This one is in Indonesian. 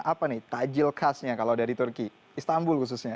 apa nih takjil khasnya kalau dari turki istanbul khususnya